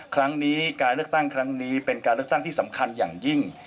ครั้งนี้การเลือกตั้งครั้งนี้เป็นการเลือกตั้งที่สำคัญอย่างยิ่ง